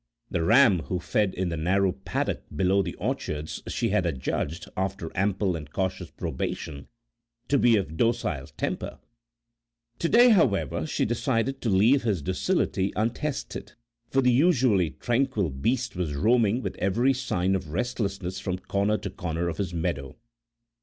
The ram who fed in the narrow paddock below the orchards she had adjudged, after ample and cautious probation, to be of docile temper; to day, however, she decided to leave his docility untested, for the usually tranquil beast was roaming with every sign of restlessness from corner to corner of his meadow.